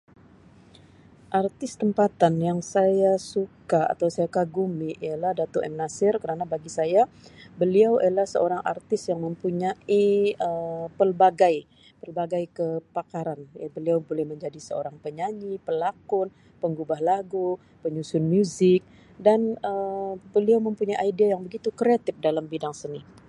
Artis tempatan yang saya suka atau kagumi ialah Dato' M. Nasir kerana bagi saya beliau ialah seorang artis yang mempunyai Um pelbagai-pelbagai Um kepakaran. Beliau boleh menjadi seorang penyanyi, pelakon, penggubah lagu, penyusun muzik dan Um beliau mempunyai idea yang begitu kreatip dalam bidang seni.